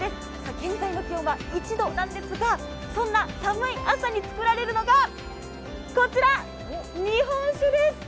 現在の気温は１度なんですが、そんな寒い朝に作られるのがこちら、日本酒です。